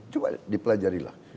coba dipelajari lah